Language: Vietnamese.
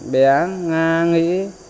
bé nga nghĩ